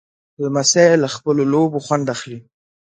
لمسی له خپلو لوبو خوند اخلي.